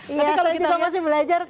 iya saya juga masih belajar kok